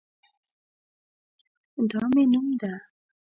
دا مې نوم ده